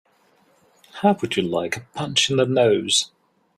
How would you like a punch in the nose?